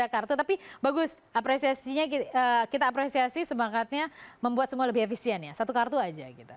kartu multifungsi ini akan terbit